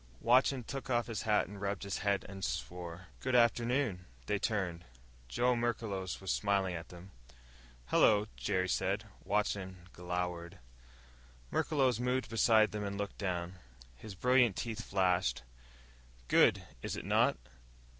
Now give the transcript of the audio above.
Watson took off his hat and rubbed his head and swore. "Good afternoon." They turned. Joe Merklos was smiling at them. "Hello," Jerry said. Watson just glowered. Merklos moved beside them and looked down. His brilliant teeth flashed. "Good, is it not?"